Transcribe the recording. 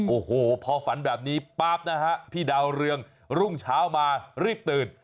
โอ้โหพอฝันแบบนี้ปั๊บนะฮะพี่ดาวเรืองรุ่งเช้ามารีบตื่น